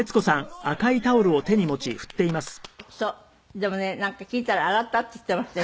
でもねなんか聞いたら洗ったって言ってましたよ